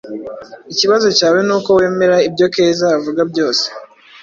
Ikibazo cyawe nuko wemera ibyo Keza avuga byose.